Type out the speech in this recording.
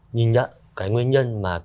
nhìn nhận cái nguyên nhân mà